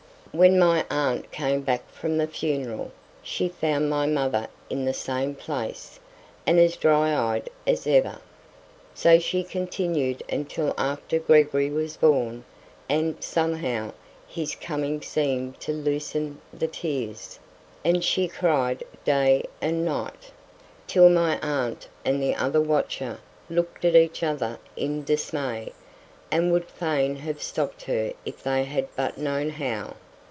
When my aunt came back from the funeral, she found my mother in the same place, and as dry eyed as ever. So she continued until after Gregory was born; and, somehow, his coming seemed to loosen the tears, and she cried day and night, till my aunt and the other watcher looked at each other in dismay, and would fain have stopped her if they had but known how.